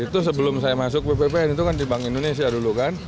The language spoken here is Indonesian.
itu sebelum saya masuk bppn itu kan di bank indonesia dulu kan